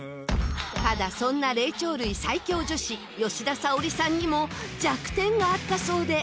ただそんな霊長類最強女子吉田沙保里さんにも弱点があったそうで。